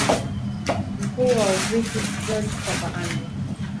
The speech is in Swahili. ri mkuu wa ugiriki george papa andrew